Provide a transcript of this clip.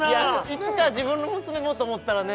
いつか自分の娘もと思ったらね